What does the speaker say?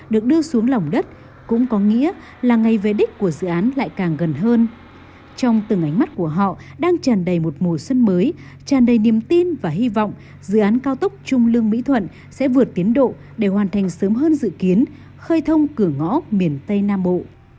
đang tràn đầy một mùa xuân mới tràn đầy niềm tin và hy vọng dự án cao tốc trung lương mỹ thuận sẽ vượt tiến độ để hoàn thành sớm hơn dự kiến khơi thông cửa ngõ miền tây nam bộ